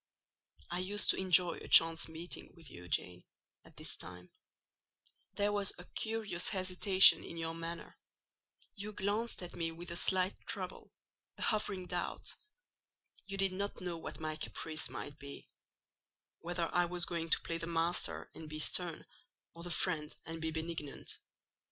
I used to enjoy a chance meeting with you, Jane, at this time: there was a curious hesitation in your manner: you glanced at me with a slight trouble—a hovering doubt: you did not know what my caprice might be—whether I was going to play the master and be stern, or the friend and be benignant.